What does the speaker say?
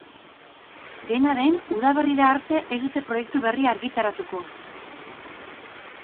Dena den, udaberrira arte ez dute proiektu berria argitaratuko.